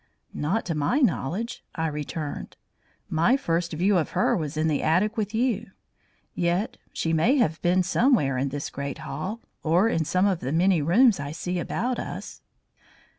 "Not to my knowledge," I returned. "My first view of her was in the attic with you. Yet she may have been somewhere in this great hall, or in some of the many rooms I see about us."